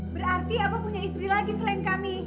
berarti aku punya istri lagi selain kami